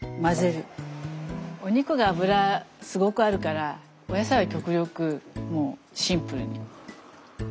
お肉が脂すごくあるからお野菜は極力もうシンプルに。